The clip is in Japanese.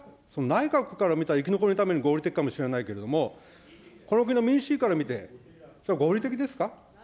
内閣から見たら生き残るために合理的かもしれないけども、この国の民主主義から見て、それは合理的ですか。